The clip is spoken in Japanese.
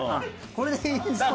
これでいいんですね。